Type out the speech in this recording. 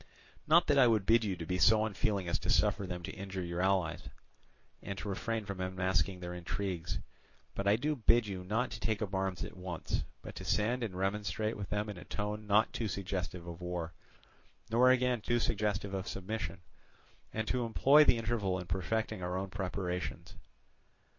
"Not that I would bid you be so unfeeling as to suffer them to injure your allies, and to refrain from unmasking their intrigues; but I do bid you not to take up arms at once, but to send and remonstrate with them in a tone not too suggestive of war, nor again too suggestive of submission, and to employ the interval in perfecting our own preparations.